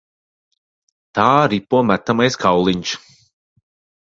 Tā ripo metamais kauliņš.